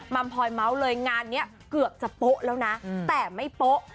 มพลอยเมาส์เลยงานนี้เกือบจะโป๊ะแล้วนะแต่ไม่โป๊ะ